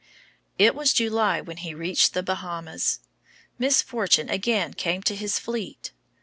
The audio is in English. It was July when he reached the Bahamas. Misfortune again came to his fleet.